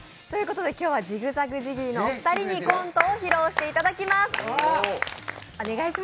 今日はジグザグジギーのお二人にコントを披露していただきます。